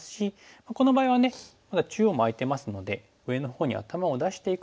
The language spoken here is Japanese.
この場合はまだ中央も空いてますので上のほうに頭を出していくと。